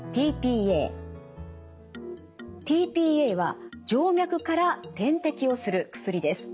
ｔ−ＰＡは静脈から点滴をする薬です。